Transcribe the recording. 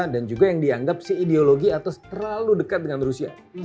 dan juga yang dianggap ideologi atas terlalu dekat dengan rusia